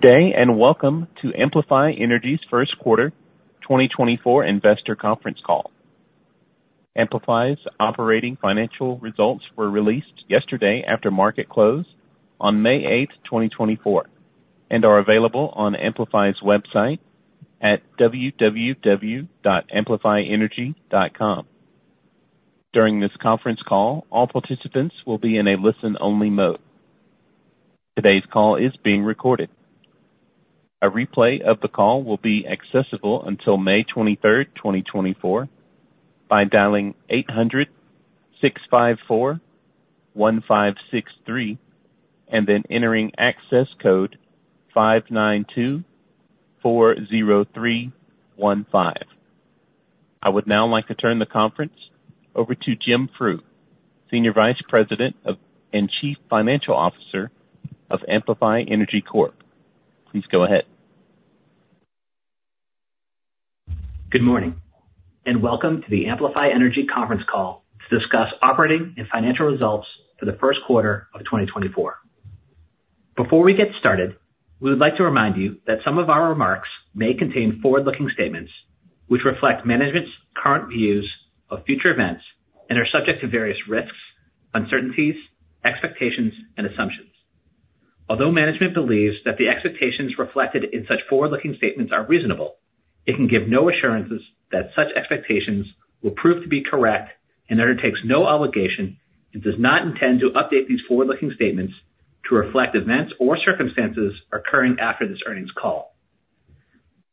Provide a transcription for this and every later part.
Good day, and welcome to Amplify Energy's first quarter 2024 investor conference call. Amplify's operating financial results were released yesterday after market close on May 8, 2024, and are available on Amplify's website at www.amplifyenergy.com. During this conference call, all participants will be in a listen-only mode. Today's call is being recorded. A replay of the call will be accessible until May 23, 2024, by dialing 800-654-1563 and then entering access code 59240315. I would now like to turn the conference over to Jim Frew, Senior Vice President and Chief Financial Officer of Amplify Energy Corp. Please go ahead. Good morning, and welcome to the Amplify Energy conference call to discuss operating and financial results for the first quarter of 2024. Before we get started, we would like to remind you that some of our remarks may contain forward-looking statements, which reflect management's current views of future events and are subject to various risks, uncertainties, expectations, and assumptions. Although management believes that the expectations reflected in such forward-looking statements are reasonable, it can give no assurances that such expectations will prove to be correct and undertakes no obligation and does not intend to update these forward-looking statements to reflect events or circumstances occurring after this earnings call.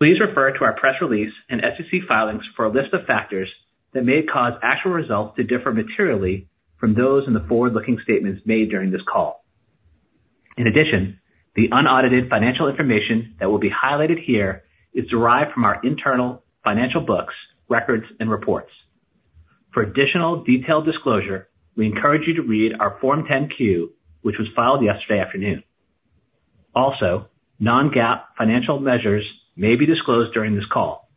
Please refer to our press release and SEC filings for a list of factors that may cause actual results to differ materially from those in the forward-looking statements made during this call. In addition, the unaudited financial information that will be highlighted here is derived from our internal financial books, records, and reports. For additional detailed disclosure, we encourage you to read our Form 10-Q, which was filed yesterday afternoon. Also, non-GAAP financial measures may be disclosed during this call.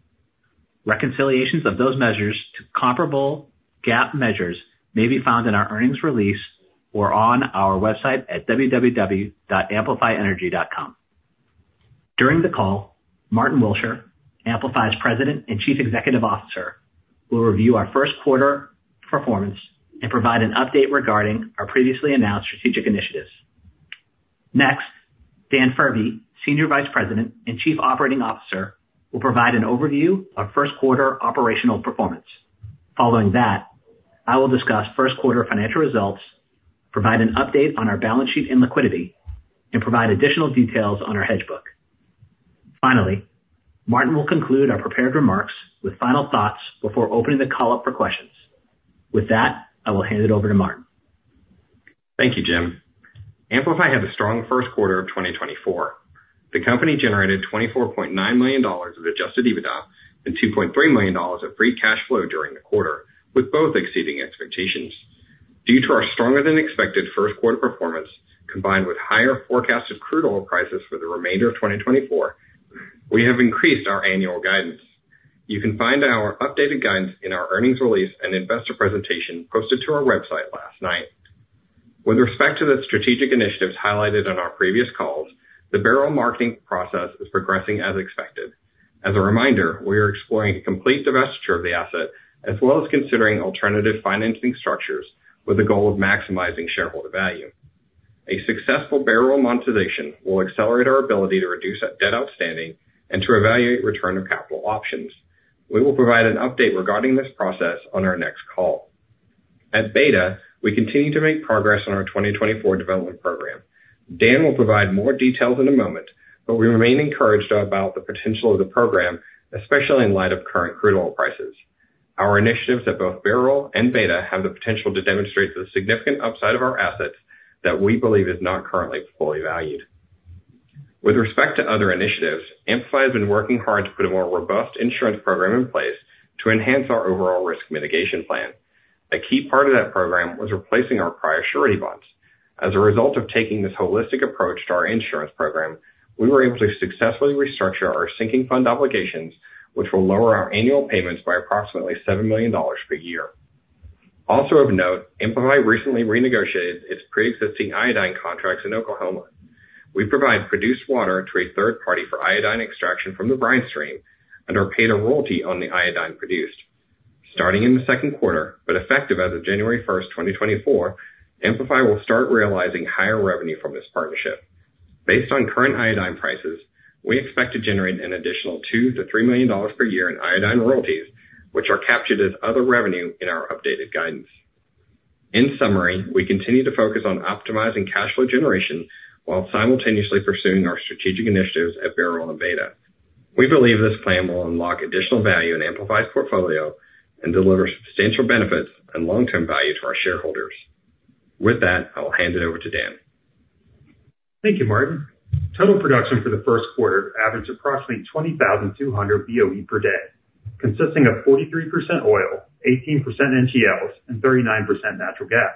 Reconciliations of those measures to comparable GAAP measures may be found in our earnings release or on our website at www.amplifyenergy.com. During the call, Martyn Willsher, Amplify's President and Chief Executive Officer, will review our first quarter performance and provide an update regarding our previously announced strategic initiatives. Next, Dan Furbee, Senior Vice President and Chief Operating Officer, will provide an overview of first quarter operational performance. Following that, I will discuss first quarter financial results, provide an update on our balance sheet and liquidity, and provide additional details on our hedge book. Finally, Martyn will conclude our prepared remarks with final thoughts before opening the call up for questions. With that, I will hand it over to Martyn. Thank you, Jim. Amplify had a strong first quarter of 2024. The company generated $24.9 million of Adjusted EBITDA and $2.3 million of Free Cash Flow during the quarter, with both exceeding expectations. Due to our stronger-than-expected first quarter performance, combined with higher forecasted crude oil prices for the remainder of 2024, we have increased our annual guidance. You can find our updated guidance in our earnings release and investor presentation posted to our website last night. With respect to the strategic initiatives highlighted on our previous calls, the Bairoil marketing process is progressing as expected. As a reminder, we are exploring a complete divestiture of the asset, as well as considering alternative financing structures with the goal of maximizing shareholder value. A successful Bairoil monetization will accelerate our ability to reduce our debt outstanding and to evaluate return of capital options. We will provide an update regarding this process on our next call. At Beta, we continue to make progress on our 2024 development program. Dan will provide more details in a moment, but we remain encouraged about the potential of the program, especially in light of current crude oil prices. Our initiatives at both Bairoil and Beta have the potential to demonstrate the significant upside of our assets that we believe is not currently fully valued. With respect to other initiatives, Amplify has been working hard to put a more robust insurance program in place to enhance our overall risk mitigation plan. A key part of that program was replacing our prior surety bonds. As a result of taking this holistic approach to our insurance program, we were able to successfully restructure our sinking fund obligations, which will lower our annual payments by approximately $7 million per year. Also of note, Amplify recently renegotiated its pre-existing iodine contracts in Oklahoma. We provide produced water to a third party for iodine extraction from the brine stream and are paid a royalty on the iodine produced. Starting in the second quarter, but effective as of January 1, 2024, Amplify will start realizing higher revenue from this partnership. Based on current iodine prices, we expect to generate an additional $2-$3 million per year in iodine royalties, which are captured as other revenue in our updated guidance. In summary, we continue to focus on optimizing cash flow generation while simultaneously pursuing our strategic initiatives at Bairoil and Beta. We believe this plan will unlock additional value in Amplify's portfolio and deliver substantial benefits and long-term value to our shareholders. With that, I will hand it over to Dan. Thank you, Martyn. Total production for the first quarter averaged approximately 20,200 Boe per day, consisting of 43% oil, 18% NGLs, and 39% natural gas.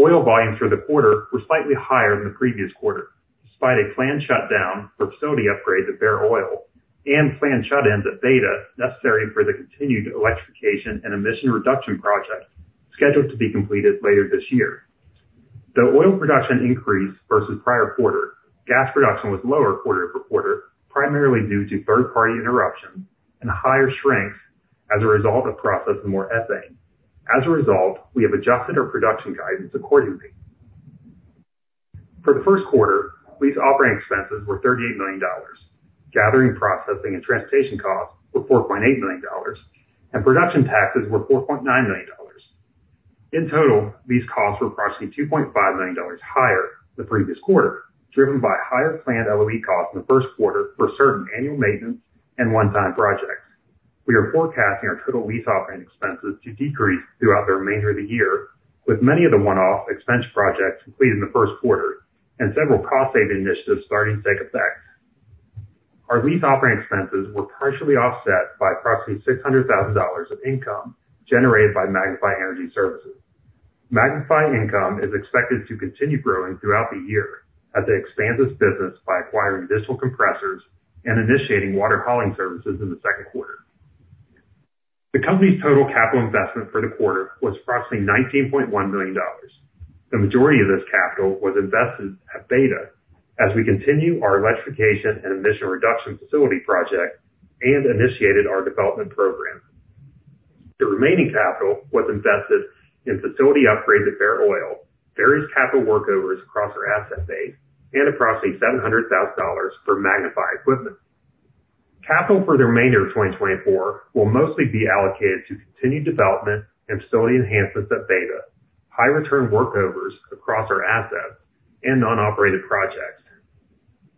Oil volumes for the quarter were slightly higher than the previous quarter, despite a planned shutdown for facility upgrade to Bairoil and planned shut-ins at Beta, necessary for the continued electrification and emission reduction project.... scheduled to be completed later this year. Though oil production increased versus prior quarter, gas production was lower quarter-over-quarter, primarily due to third-party interruptions and higher strengths as a result of processing more ethane. As a result, we have adjusted our production guidance accordingly. For the first quarter, lease operating expenses were $38 million. Gathering, processing, and transportation costs were $4.8 million, and production taxes were $4.9 million. In total, these costs were approximately $2.5 million higher the previous quarter, driven by higher planned LOE costs in the first quarter for certain annual maintenance and one-time projects. We are forecasting our total lease operating expenses to decrease throughout the remainder of the year, with many of the one-off expense projects completed in the first quarter and several cost-saving initiatives starting to take effect. Our lease operating expenses were partially offset by approximately $600,000 of income generated by Magnify Energy Services. Magnify income is expected to continue growing throughout the year as it expands its business by acquiring additional compressors and initiating water hauling services in the second quarter. The company's total capital investment for the quarter was approximately $19.1 million. The majority of this capital was invested at Beta as we continue our electrification and emission reduction facility project and initiated our development program. The remaining capital was invested in facility upgrades at Bairoil, various capital workovers across our asset base, and approximately $700,000 for Magnify equipment. Capital for the remainder of 2024 will mostly be allocated to continued development and facility enhancements at Beta, high return workovers across our assets, and non-operated projects.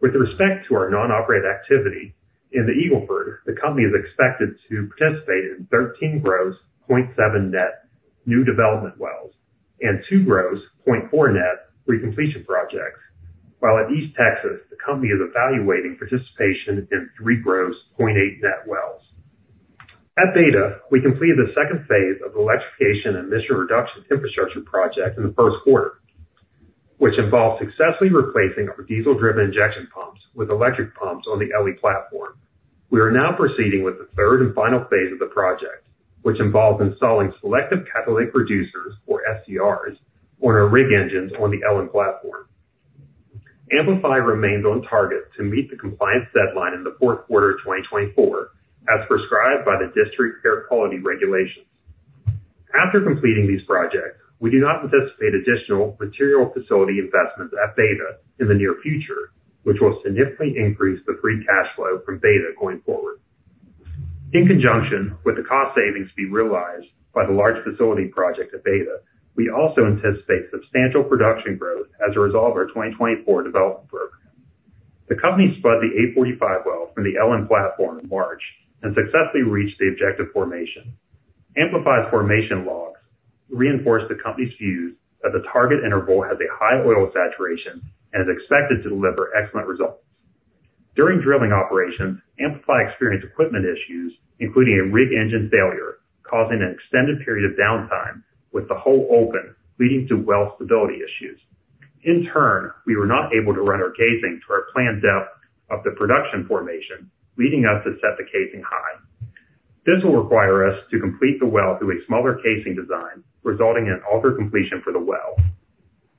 With respect to our non-operated activity in the Eagle Ford, the company is expected to participate in 13 gross, 0.7 net new development wells and 2 gross, 0.4 net recompletion projects, while at East Texas, the company is evaluating participation in 3 gross, 0.8 net wells. At Beta, we completed the second phase of the electrification and emission reduction infrastructure project in the first quarter, which involved successfully replacing our diesel-driven injection pumps with electric pumps on the Elly platform. We are now proceeding with the third and final phase of the project, which involves installing selective catalytic reducers, or SCRs, on our rig engines on the Ellen platform. Amplify remains on target to meet the compliance deadline in the fourth quarter of 2024, as prescribed by the District Air Quality regulations. After completing these projects, we do not anticipate additional material facility investments at Beta in the near future, which will significantly increase the free cash flow from Beta going forward. In conjunction with the cost savings to be realized by the large facility project at Beta, we also anticipate substantial production growth as a result of our 2024 development program. The company spud the A-45 well from the Ellen platform in March and successfully reached the objective formation. Amplify's formation logs reinforced the company's views that the target interval has a high oil saturation and is expected to deliver excellent results. During drilling operations, Amplify experienced equipment issues, including a rig engine failure, causing an extended period of downtime with the hole open, leading to well stability issues. In turn, we were not able to run our casing to our planned depth of the production formation, leading us to set the casing high. This will require us to complete the well through a smaller casing design, resulting in an altered completion for the well.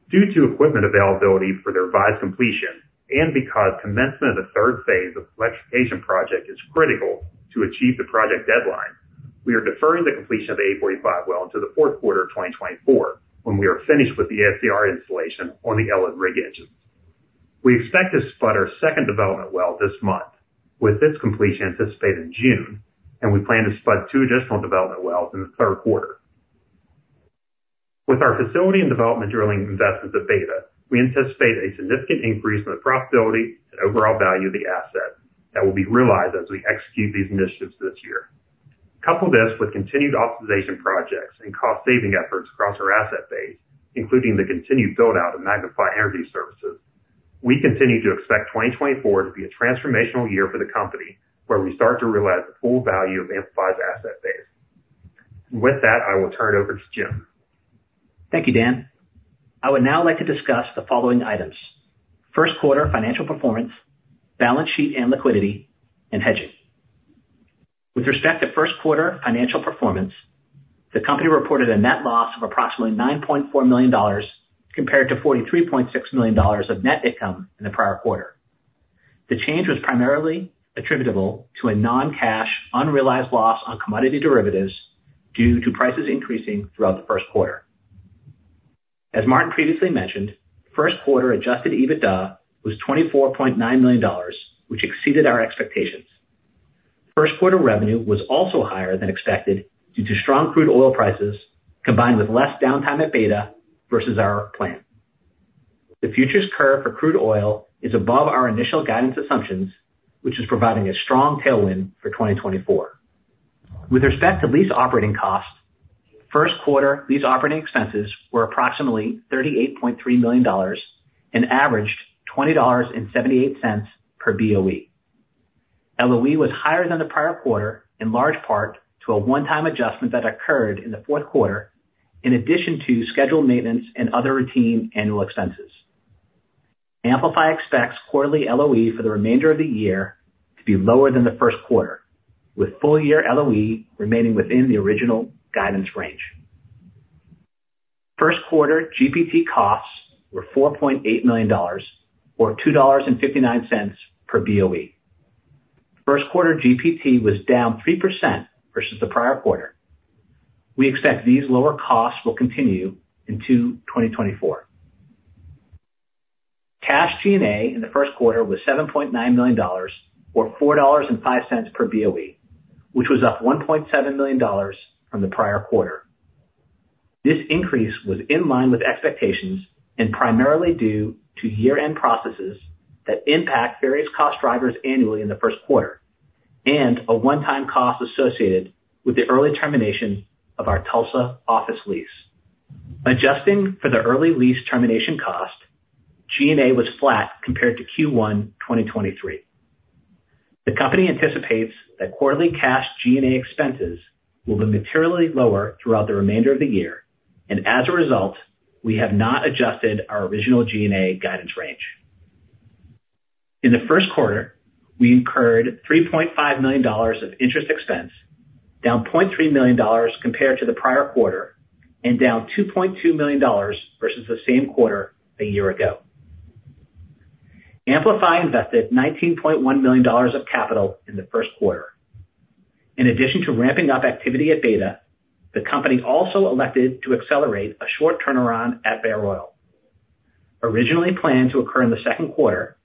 Due to equipment availability for the revised completion, and because commencement of the third phase of the electrification project is critical to achieve the project deadline, we are deferring the completion of the A-45 well into the fourth quarter of 2024, when we are finished with the SCR installation on the Ellen rig engines. We expect to spud our second development well this month, with this completion anticipated in June, and we plan to spud two additional development wells in the third quarter. With our facility and development drilling investments at Beta, we anticipate a significant increase in the profitability and overall value of the asset that will be realized as we execute these initiatives this year. Couple this with continued optimization projects and cost saving efforts across our asset base, including the continued build-out of Magnify Energy Services, we continue to expect 2024 to be a transformational year for the company, where we start to realize the full value of Amplify's asset base. With that, I will turn it over to Jim. Thank you, Dan. I would now like to discuss the following items: first quarter financial performance, balance sheet and liquidity, and hedging. With respect to first quarter financial performance, the company reported a net loss of approximately $9.4 million, compared to $43.6 million of net income in the prior quarter. The change was primarily attributable to a non-cash, unrealized loss on commodity derivatives due to prices increasing throughout the first quarter. As Martin previously mentioned, first quarter Adjusted EBITDA was $24.9 million, which exceeded our expectations. First quarter revenue was also higher than expected due to strong crude oil prices, combined with less downtime at Beta versus our plan. The futures curve for crude oil is above our initial guidance assumptions, which is providing a strong tailwind for 2024. With respect to lease operating costs, first quarter lease operating expenses were approximately $38.3 million and averaged $20.78 per BOE. LOE was higher than the prior quarter, in large part to a one-time adjustment that occurred in the fourth quarter, in addition to scheduled maintenance and other routine annual expenses. Amplify expects quarterly LOE for the remainder of the year to be lower than the first quarter, with full-year LOE remaining within the original guidance range. First quarter GPT costs were $4.8 million, or $2.59 per BOE. First quarter GPT was down 3% versus the prior quarter. We expect these lower costs will continue into 2024. Cash G&A in the first quarter was $7.9 million, or $4.05 per BOE, which was up $1.7 million from the prior quarter. This increase was in line with expectations and primarily due to year-end processes that impact various cost drivers annually in the first quarter, and a one-time cost associated with the early termination of our Tulsa office lease. Adjusting for the early lease termination cost, G&A was flat compared to Q1 2023. The company anticipates that quarterly cash G&A expenses will be materially lower throughout the remainder of the year, and as a result, we have not adjusted our original G&A guidance range. In the first quarter, we incurred $3.5 million of interest expense, down $0.3 million compared to the prior quarter, and down $2.2 million versus the same quarter a year ago. Amplify invested $19.1 million of capital in the first quarter. In addition to ramping up activity at Beta, the company also elected to accelerate a short turnaround at Bairoil. Originally planned to occur in the second quarter,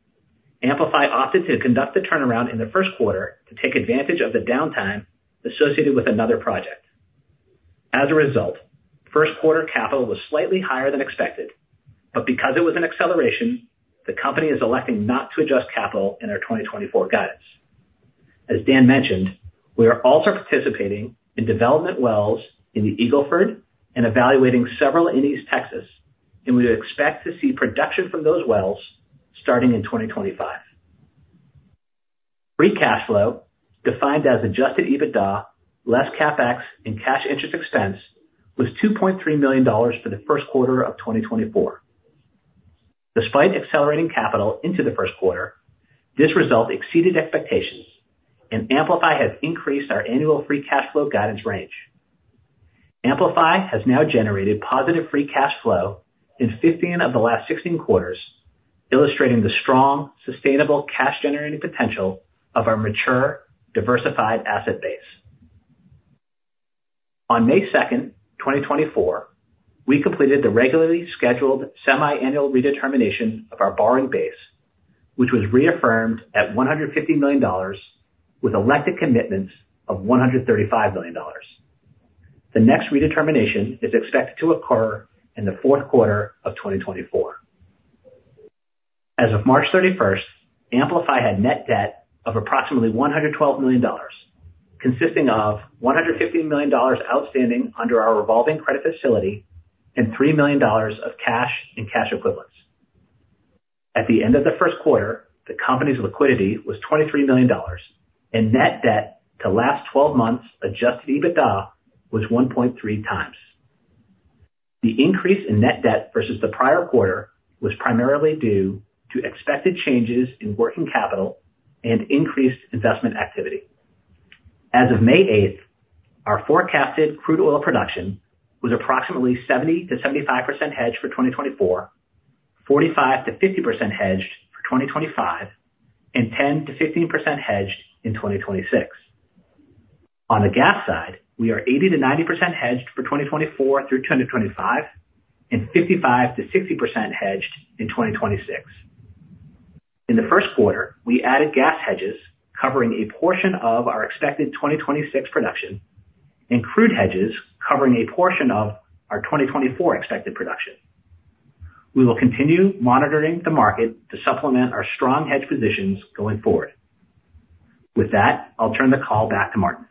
Amplify opted to conduct the turnaround in the first quarter to take advantage of the downtime associated with another project. As a result, first quarter capital was slightly higher than expected, but because it was an acceleration, the company is electing not to adjust capital in their 2024 guidance. As Dan mentioned, we are also participating in development wells in the Eagle Ford and evaluating several in East Texas, and we expect to see production from those wells starting in 2025. Free cash flow, defined as Adjusted EBITDA, less CapEx and cash interest expense, was $2.3 million for the first quarter of 2024. Despite accelerating capital into the first quarter, this result exceeded expectations, and Amplify has increased our annual free cash flow guidance range. Amplify has now generated positive free cash flow in 15 of the last 16 quarters, illustrating the strong, sustainable cash-generating potential of our mature, diversified asset base. On May 2, 2024, we completed the regularly scheduled semiannual redetermination of our borrowing base, which was reaffirmed at $150 million, with elected commitments of $135 million. The next redetermination is expected to occur in the fourth quarter of 2024. As of March 31, Amplify had net debt of approximately $112 million, consisting of $150 million outstanding under our revolving credit facility and $3 million of cash and cash equivalents. At the end of the first quarter, the company's liquidity was $23 million, and net debt to last twelve months Adjusted EBITDA was 1.3 times. The increase in net debt versus the prior quarter was primarily due to expected changes in working capital and increased investment activity. As of May 8, our forecasted crude oil production was approximately 70%-75% hedged for 2024, 45%-50% hedged for 2025, and 10%-15% hedged in 2026. On the gas side, we are 80%-90% hedged for 2024 through 2025, and 55%-60% hedged in 2026. In the first quarter, we added gas hedges, covering a portion of our expected 2026 production and crude hedges, covering a portion of our 2024 expected production. We will continue monitoring the market to supplement our strong hedge positions going forward. With that, I'll turn the call back to Martyn.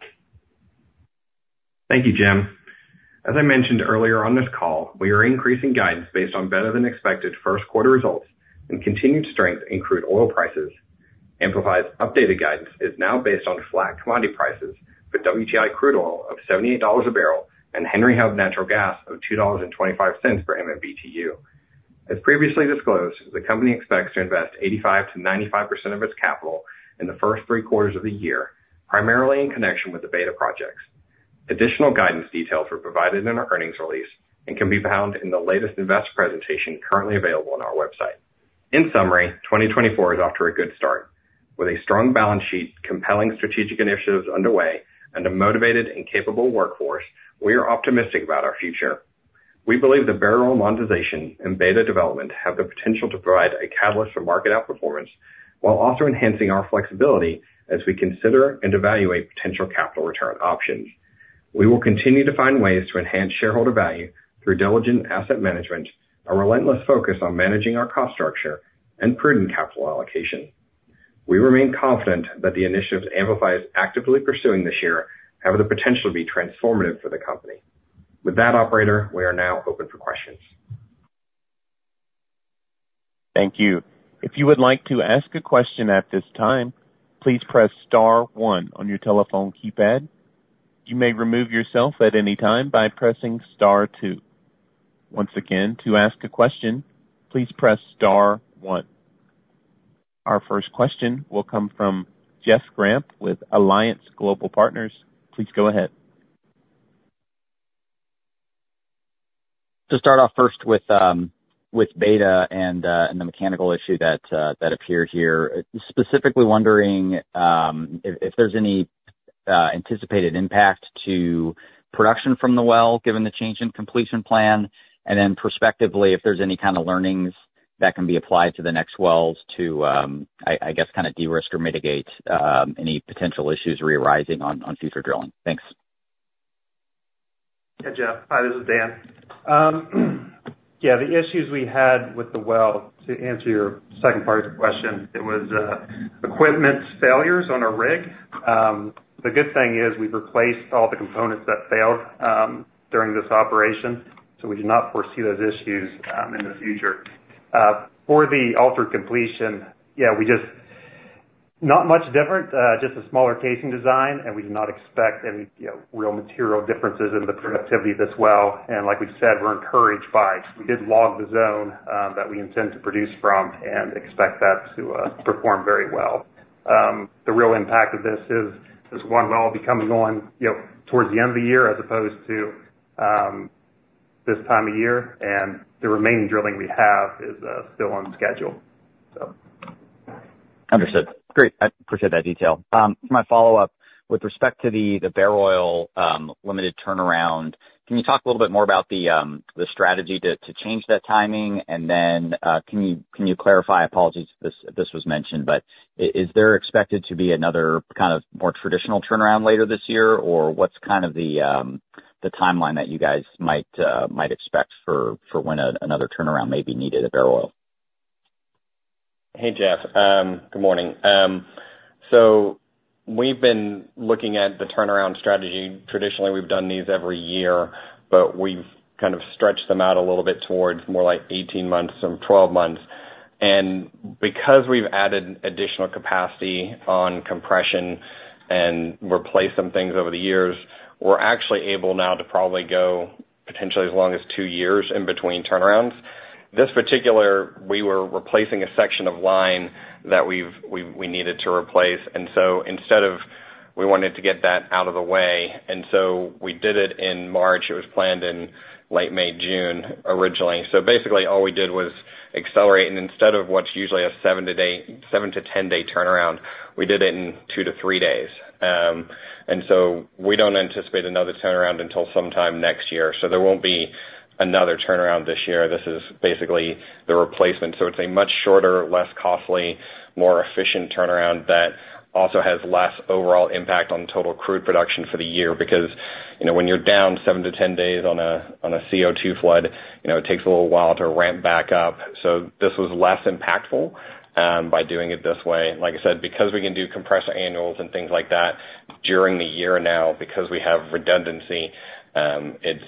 Thank you, Jim. As I mentioned earlier on this call, we are increasing guidance based on better-than-expected first quarter results and continued strength in crude oil prices. Amplify's updated guidance is now based on flat commodity prices for WTI crude oil of $78 a barrel and Henry Hub natural gas of $2.25 per MMBtu. As previously disclosed, the company expects to invest 85%-95% of its capital in the first three quarters of the year, primarily in connection with the Beta projects. Additional guidance details were provided in our earnings release and can be found in the latest investor presentation currently available on our website. In summary, 2024 is off to a good start. With a strong balance sheet, compelling strategic initiatives underway, and a motivated and capable workforce, we are optimistic about our future. We believe the Bairoil monetization and Beta development have the potential to provide a catalyst for market outperformance, while also enhancing our flexibility as we consider and evaluate potential capital return options. We will continue to find ways to enhance shareholder value through diligent asset management, a relentless focus on managing our cost structure, and prudent capital allocation. We remain confident that the initiatives Amplify is actively pursuing this year have the potential to be transformative for the company. With that, operator, we are now open for questions. Thank you. If you would like to ask a question at this time, please press star one on your telephone keypad.... You may remove yourself at any time by pressing star two. Once again, to ask a question, please press star one. Our first question will come from Jeff Grampp with Alliance Global Partners. Please go ahead. To start off first with beta and the mechanical issue that appeared here. Specifically wondering if there's any anticipated impact to production from the well, given the change in completion plan, and then perspectively, if there's any kind of learnings that can be applied to the next wells to, I guess, kind of de-risk or mitigate any potential issues re-arising on future drilling. Thanks. Hey, Jeff. Hi, this is Dan. Yeah, the issues we had with the well, to answer your second part of the question, it was equipment failures on a rig. The good thing is we've replaced all the components that failed during this operation, so we do not foresee those issues in the future. For the altered completion, yeah, we just... Not much different, just a smaller casing design, and we do not expect any, you know, real material differences in the productivity of this well. And like we said, we're encouraged by, we did log the zone that we intend to produce from and expect that to perform very well. The real impact of this is, this one well will be coming on, you know, towards the end of the year, as opposed to, this time of year, and the remaining drilling we have is still on schedule, so. Understood. Great, I appreciate that detail. My follow-up, with respect to the, the Bairoil, limited turnaround, can you talk a little bit more about the, the strategy to, to change that timing? And then, can you, can you clarify, apologies if this, if this was mentioned, but is there expected to be another kind of more traditional turnaround later this year? Or what's kind of the, the timeline that you guys might, might expect for, for when another turnaround may be needed at Bairoil? Hey, Jeff, good morning. So we've been looking at the turnaround strategy. Traditionally, we've done these every year, but we've kind of stretched them out a little bit towards more like 18 months from 12 months. And because we've added additional capacity on compression and replaced some things over the years, we're actually able now to probably go potentially as long as 2 years in between turnarounds. This particular, we were replacing a section of line that we've needed to replace, and so instead of, we wanted to get that out of the way, and so we did it in March. It was planned in late May, June, originally. So basically, all we did was accelerate, and instead of what's usually a 7-10-day turnaround, we did it in 2-3 days. And so we don't anticipate another turnaround until sometime next year, so there won't be another turnaround this year. This is basically the replacement. So it's a much shorter, less costly, more efficient turnaround that also has less overall impact on total crude production for the year. Because, you know, when you're down 7-10 days on a CO2 flood, you know, it takes a little while to ramp back up. So this was less impactful by doing it this way. Like I said, because we can do compressor annuals and things like that during the year now, because we have redundancy, it's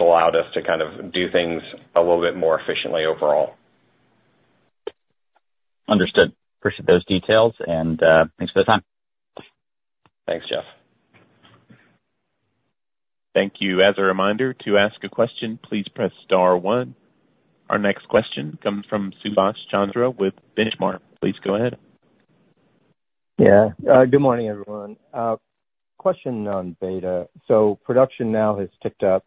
allowed us to kind of do things a little bit more efficiently overall. Understood. Appreciate those details, and, thanks for the time. Thanks, Jeff. Thank you. As a reminder, to ask a question, please press star one. Our next question comes from Subash Chandra with Benchmark. Please go ahead. Yeah, good morning, everyone. Question on Beta. So production now has ticked up,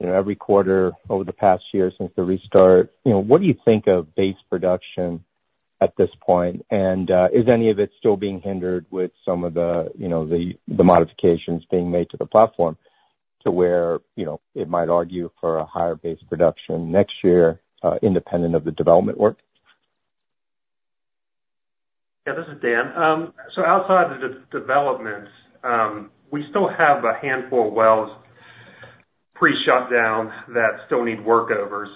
you know, every quarter over the past year since the restart. You know, what do you think of base production at this point? And, is any of it still being hindered with some of the, you know, the modifications being made to the platform, to where, you know, it might argue for a higher base production next year, independent of the development work? Yeah, this is Dan. So outside the development, we still have a handful of wells pre-shutdown that still need workovers.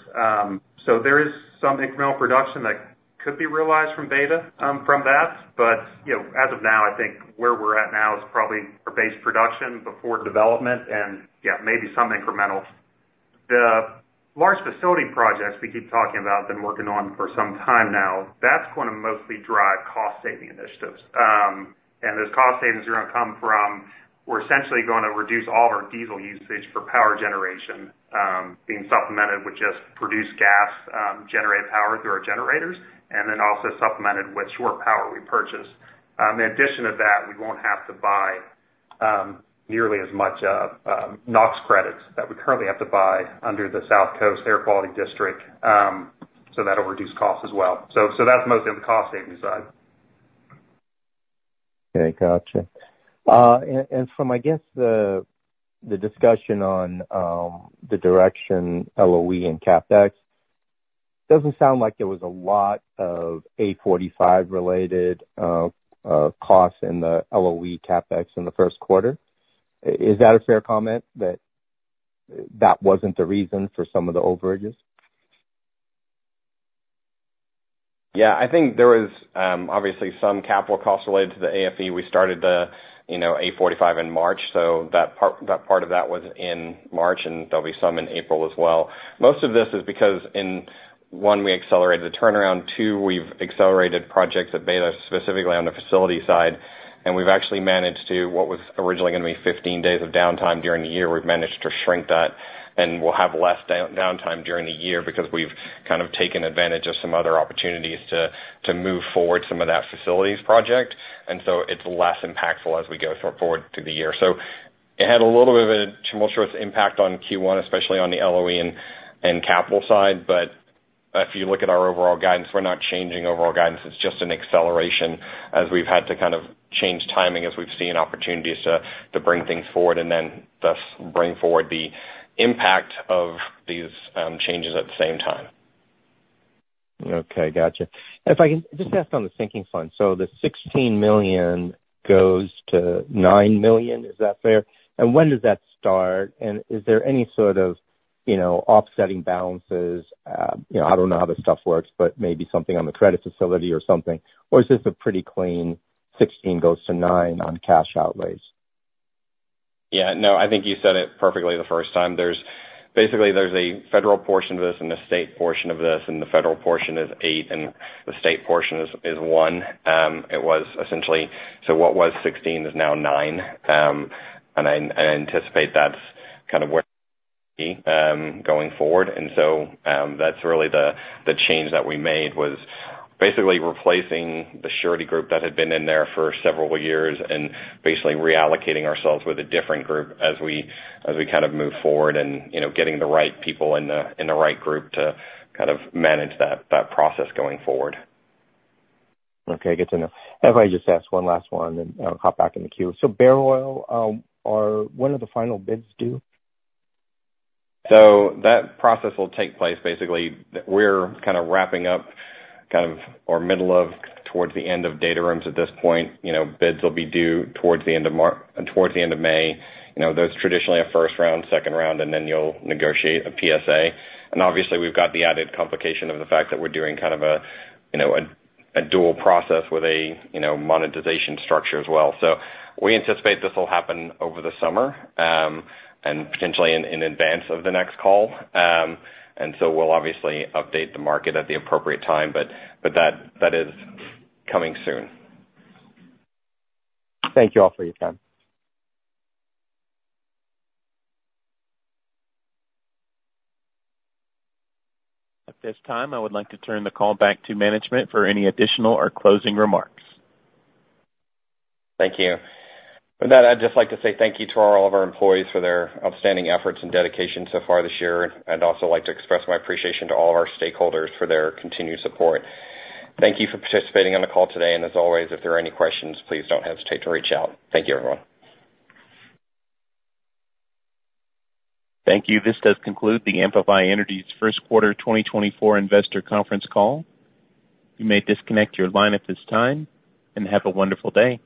So there is some incremental production that could be realized from beta, from that. But, you know, as of now, I think where we're at now is probably our base production before development, and yeah, maybe some incrementals. The large facility projects we keep talking about, been working on for some time now, that's gonna mostly drive cost saving initiatives. And those cost savings are gonna come from, we're essentially gonna reduce all of our diesel usage for power generation, being supplemented with just produced gas, generate power through our generators, and then also supplemented with shore power we purchase. In addition to that, we won't have to buy nearly as much NOx credits that we currently have to buy under the South Coast Air Quality District. So that will reduce costs as well. So that's mostly on the cost saving side. Okay, gotcha. And from, I guess, the discussion on the direction, LOE and CapEx, doesn't sound like there was a lot of A-45 related costs in the LOE CapEx in the first quarter. Is that a fair comment, that that wasn't the reason for some of the overages? Yeah, I think there was obviously some capital costs related to the AFE. We started the, you know, A-45 in March, so that part, that part of that was in March, and there'll be some in April as well. Most of this is because one, we accelerated the turnaround. Two, we've accelerated projects at Beta, specifically on the facility side. And we've actually managed to, what was originally gonna be 15 days of downtime during the year, we've managed to shrink that, and we'll have less downtime during the year because we've kind of taken advantage of some other opportunities to move forward some of that facilities project, and so it's less impactful as we go forward through the year. So it had a little bit of a tumultuous impact on Q1, especially on the LOE and capital side, but if you look at our overall guidance, we're not changing overall guidance. It's just an acceleration as we've had to kind of change timing as we've seen opportunities to bring things forward and then, thus, bring forward the impact of these changes at the same time. Okay, gotcha. If I can just ask on the sinking fund. So the $16 million goes to $9 million. Is that fair? And when does that start? And is there any sort of, you know, offsetting balances? You know, I don't know how this stuff works, but maybe something on the credit facility or something, or is this a pretty clean $16 million to $9 million on cash outlays? Yeah, no, I think you said it perfectly the first time. There's basically, there's a federal portion of this and a state portion of this, and the federal portion is 8, and the state portion is 1. It was essentially. So what was 16 is now 9, and I anticipate that's kind of where going forward. And so, that's really the change that we made was basically replacing the surety group that had been in there for several years and basically reallocating ourselves with a different group as we kind of move forward and, you know, getting the right people in the right group to kind of manage that process going forward. Okay, good to know. If I just ask one last one, and I'll hop back in the queue. So Bairoil, when are the final bids due? So that process will take place, basically. We're kind of wrapping up, kind of, or middle of, towards the end of data rooms at this point. You know, bids will be due towards the end of Mar, towards the end of May. You know, there's traditionally a first round, second round, and then you'll negotiate a PSA. And obviously, we've got the added complication of the fact that we're doing kind of a, you know, a dual process with a, you know, monetization structure as well. So we anticipate this will happen over the summer, and potentially in advance of the next call. And so we'll obviously update the market at the appropriate time, but that is coming soon. Thank you all for your time. At this time, I would like to turn the call back to management for any additional or closing remarks. Thank you. With that, I'd just like to say thank you to all of our employees for their outstanding efforts and dedication so far this year. I'd also like to express my appreciation to all of our stakeholders for their continued support. Thank you for participating on the call today, and as always, if there are any questions, please don't hesitate to reach out. Thank you, everyone. Thank you. This does conclude the Amplify Energy's first quarter 2024 investor conference call. You may disconnect your line at this time, and have a wonderful day.